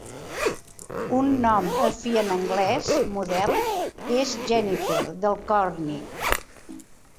Un nom afí en anglès modern és Jennifer, del còrnic.